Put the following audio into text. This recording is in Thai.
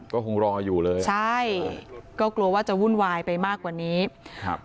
ก็คงรออยู่เลยใช่ก็กลัวว่าจะวุ่นวายไปมากกว่านี้ครับ